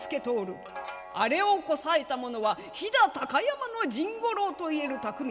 あれをこさえた者は飛騨高山の甚五郎といえる匠。